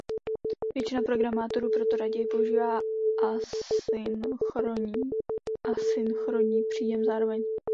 Většina programátorů proto raději používá asynchronní a synchronní příjem zároveň.